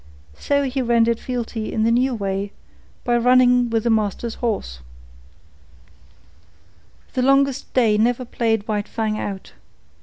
So he rendered fealty in the new way, by running with the master's horse. The longest day never played White Fang out.